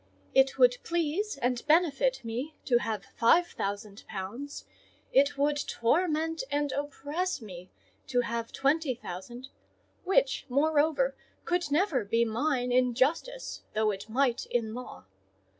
It would please and benefit me to have five thousand pounds; it would torment and oppress me to have twenty thousand; which, moreover, could never be mine in justice, though it might in law.